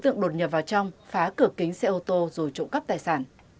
nhập vào trong phá cửa kính xe ô tô rồi trộm cắp tài sản